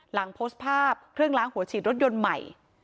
หลังโพสต์ภาพเครื่องล้างหัวฉีดรถยนต์ใหม่